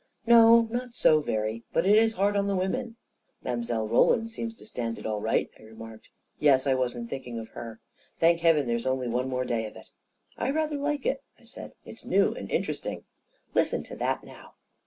11 No — not so very. But it's hard on the women." " Mile. Roland seems to stand tt all right," I re* marked. "Yes — I wasn't thinking of her. Thank heaven there's only one more day of it 1 "" I rather like it," I said. " It's new and inter esting. Listen to that, now